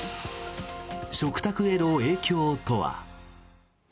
食卓への影響とは？